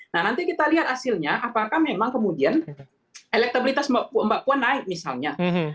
nah nanti kita lihat hasilnya apakah memang kemudian elektabilitas mbak puan naik misalnya